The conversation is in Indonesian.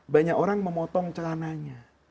banyak orang memotong celananya